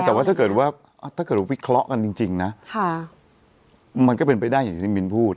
แต่ว่าถ้าเกิดว่าถ้าเกิดเราวิเคราะห์กันจริงนะมันก็เป็นไปได้อย่างที่มิ้นพูด